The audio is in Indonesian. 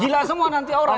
gila semua nanti orang